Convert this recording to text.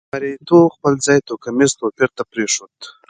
مریتوب خپل ځای توکمیز توپیر ته پرېښود.